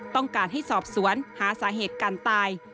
ต้องการให้สอบสวนหาสาเหตุการตาย